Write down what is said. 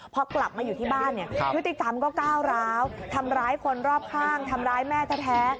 พอกลับมาอยู่ที่บ้านเนี่ยพฤติกรรมก็ก้าวร้าวทำร้ายคนรอบข้างทำร้ายแม่แท้